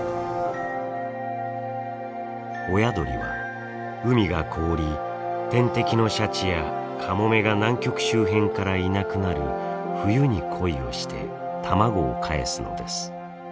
親鳥は海が凍り天敵のシャチやカモメが南極周辺からいなくなる冬に恋をして卵をかえすのです。